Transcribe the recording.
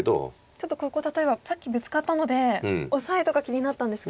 ちょっとここ例えばさっきブツカったのでオサエとか気になったんですけど。